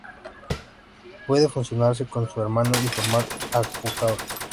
Puede fusionarse con su hermano y formar a Abocado.